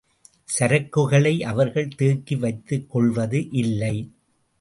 சரக்குகளை அவர்கள் தேக்கி வைத்துக் கொள்வது இல்லை.